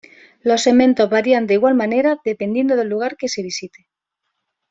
Los segmentos varían de igual manera, dependiendo del lugar que se visite.